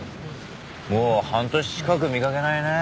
もう半年近く見かけないね。